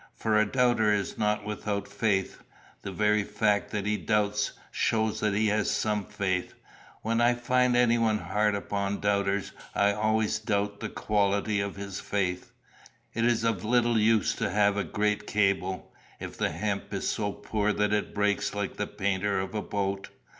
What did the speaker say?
For a doubter is not without faith. The very fact that he doubts, shows that he has some faith. When I find anyone hard upon doubters, I always doubt the quality of his faith. It is of little use to have a great cable, if the hemp is so poor that it breaks like the painter of a boat.